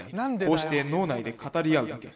こうして脳内で語り合うだけ。